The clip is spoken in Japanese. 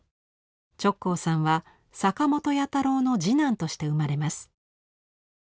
直行さんは坂本弥太郎の次男として生まれます。